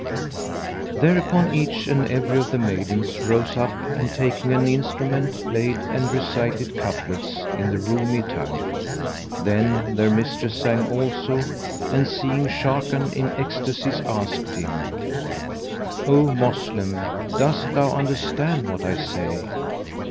Thereupon each and every of the maidens rose up and taking an instrument, played and recited couplets in the Roumi tongue; then their mistress sang also and seeing Sharrkan in ecstasies asked him, "O Moslem, dost thou understand what I say?"